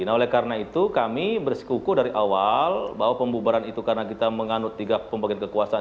nah oleh karena itu kami bersikuku dari awal bahwa pembubaran itu karena kita menganut tiga pembagian kekuasaan